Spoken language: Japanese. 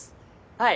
はい！